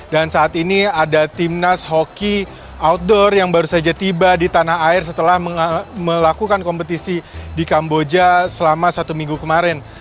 dan saat ini ada timnas hoki outdoor yang baru saja tiba di tanah air setelah melakukan kompetisi di kamboja selama satu minggu kemarin